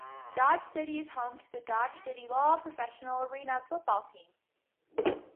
Dodge City is home to the Dodge City Law professional arena football team.